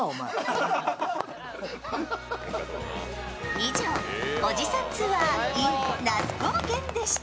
以上、「おじさんツアーｉｎ那須高原」でした。